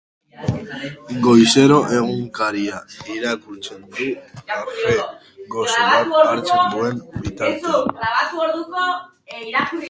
Goizero egunkaria irakurtzen du kafe gozo bat hartzen duen bitartean.